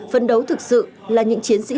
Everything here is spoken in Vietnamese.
phân đấu thực sự là những chiến sĩ